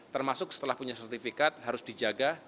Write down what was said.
termasuk setelah punya sertifikat harus dijaga